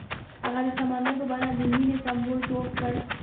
هغه د سمندر په بڼه د مینې سمبول جوړ کړ.